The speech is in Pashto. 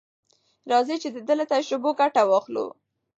راځئ چې د ده له تجربو ګټه واخلو.